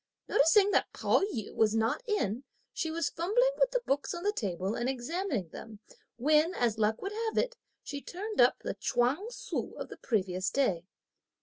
Noticing that Pao yü was not in, she was fumbling with the books on the table and examining them, when, as luck would have it, she turned up the Chuang Tzu of the previous day.